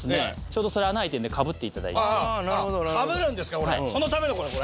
ちょうどそれ穴開いてるんでかぶっていただいてかぶるんですかそのためのこれ？